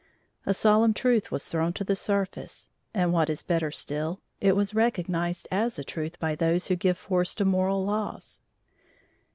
A solemn truth was thrown to the surface, and what is better still, it was recognized as a truth by those who give force to moral laws.